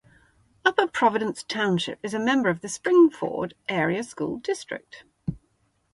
Upper Providence Township is a member of the Spring-Ford Area School District.